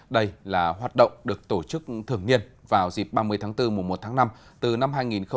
đây là hoạt động được tổ chức thường niên vào dịp ba mươi tháng bốn mùa một tháng năm từ năm hai nghìn hai mươi bốn